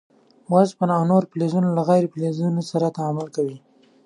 اوسپنه او نور فلزونه له غیر فلزونو سره تعامل کوي.